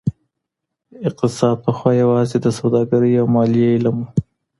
اقتصاد پخوا يوازي د سوداګرۍ او ماليې علم و.